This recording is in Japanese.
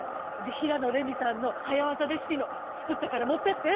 平野レミさんの早わざレシピの作ったから持っていって。